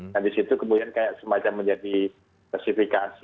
dan di situ kemudian kayak semacam menjadi spesifikasi